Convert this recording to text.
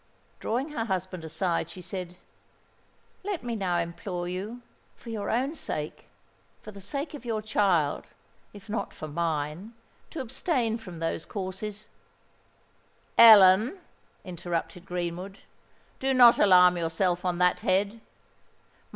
Drawing her husband aside, she said, "Let me now implore you—for your own sake—for the sake of your child—if not for mine—to abstain from those courses——" "Ellen," interrupted Greenwood, "do not alarm yourself on that head.